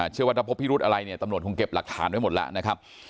เชื่อว่าถ้าพบพิรุธอะไรเนี่ยตำรวจคงเก็บหลักฐานไว้หมดแล้วนะครับ